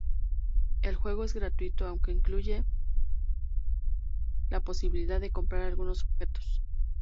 El juego es gratuito, aunque incluye la posibilidad de comprar algunos objetos.